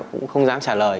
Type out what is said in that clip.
cũng không dám trả lời